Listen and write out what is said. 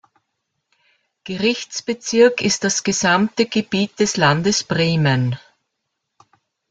Gerichtsbezirk ist das gesamte Gebiet des Landes Bremen.